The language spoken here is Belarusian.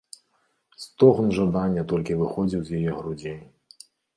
Стогн жадання толькі выходзіў з яе грудзей.